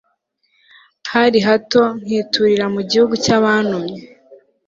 hari hato nkiturira mu gihugu cy'abanumye